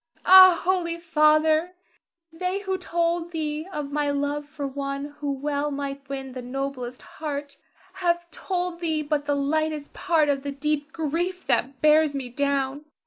Ah, holy father, they who told thee of my love for one who well might win the noblest heart, have told thee but the lightest part of the deep grief that bears me down.